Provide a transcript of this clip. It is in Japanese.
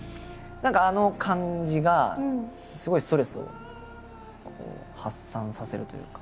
何かあの感じがすごいストレスを発散させるというか。